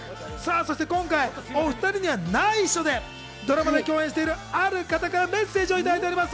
そして今回お２人には内緒でドラマで共演しているある方からメッセージを頂いております。